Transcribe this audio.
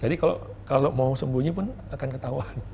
kalau mau sembunyi pun akan ketahuan